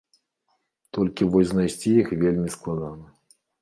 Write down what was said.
Толькі вось знайсці іх вельмі складана.